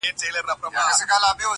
• اوس یې خلګ پر دې نه دي چي حرام دي,